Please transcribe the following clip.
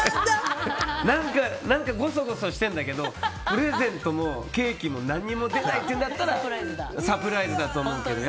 何かごそごそしているんだけどケーキも何も出ないというんだったらサプライズだと思うけどね。